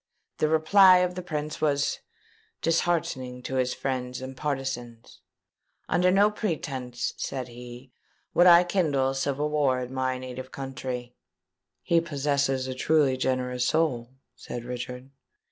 The reply of the Prince was disheartening to his friends and partizans. 'Under no pretence,' said he, 'would I kindle civil war in my native country.'" "He possesses a truly generous soul," said Richard.